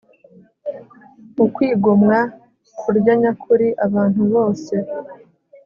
Ukwigomwa kurya nyakuri abantu bose